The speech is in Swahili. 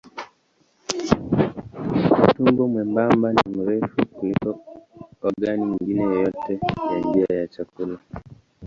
Utumbo mwembamba ni mrefu kuliko ogani nyingine yoyote ya njia ya chakula.